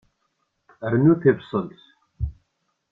Rnu tibṣelt.